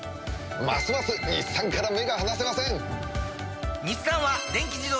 ますます日産から目が離せません！